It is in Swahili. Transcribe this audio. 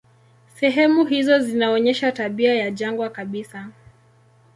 Sehemu hizo zinaonyesha tabia ya jangwa kabisa.